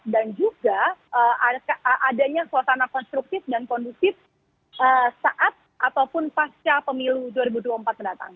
dan juga adanya suasana konstruktif dan kondusif saat ataupun pasca pemilu dua ribu dua puluh empat mendatang